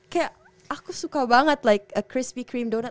kayak aku suka banget like a crispy cream donut